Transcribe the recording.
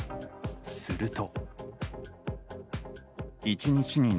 すると。